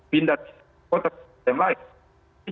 pindah ke kota kota yang lain